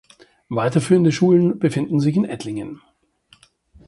Weiterführende Schulen befinden sich in Ettlingen.